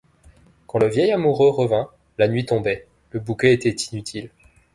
Quand le vieil amoureux revint, la nuit tombait, le bouquet était inutile.